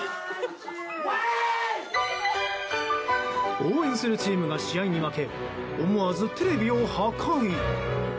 応援するチームが試合に負け思わずテレビを破壊。